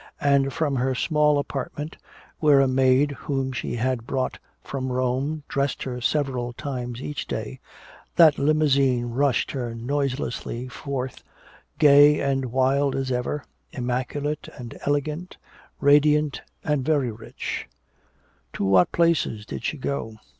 And from her small apartment, where a maid whom she had brought from Rome dressed her several times each day, that limousine rushed her noiselessly forth, gay and wild as ever, immaculate and elegant, radiant and very rich. To what places did she go?